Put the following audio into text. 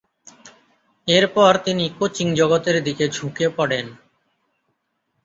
এরপর তিনি কোচিং জগতের দিকে ঝুঁকে পড়েন।